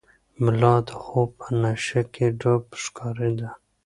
ملا د خوب په نشه کې ډوب ښکارېده.